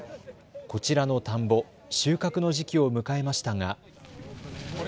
こちらの田んぼ、収穫の時期を迎えましたが。